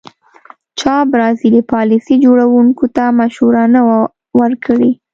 چا برازیلي پالیسي جوړوونکو ته مشوره نه وه ورکړې.